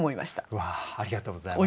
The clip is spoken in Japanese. わあありがとうございます。